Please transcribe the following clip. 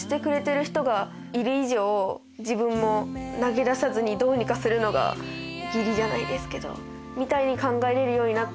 自分も投げ出さずにどうにかするのが義理じゃないですけどみたいに考えられるようになって。